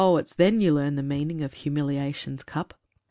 it's then you learn the meaning of humiliation's cup.